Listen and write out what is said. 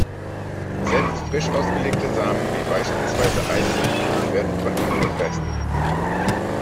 Selbst frisch ausgelegte Samen wie beispielsweise Eicheln werden von ihnen gefressen.